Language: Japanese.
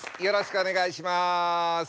よろしくお願いします。